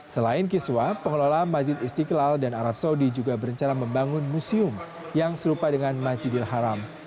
selain kiswa pengelola masjid istiqlal dan arab saudi juga berencana membangun museum yang serupa dengan majidil haram